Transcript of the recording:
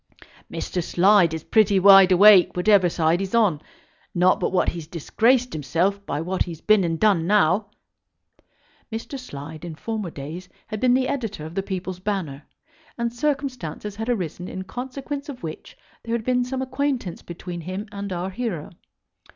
"Mr. Slide is pretty wide awake whatever side he's on. Not but what he's disgraced himself by what he's been and done now." Mr. Slide in former days had been the editor of the People's Banner, and circumstances had arisen in consequence of which there had been some acquaintance between him and our hero.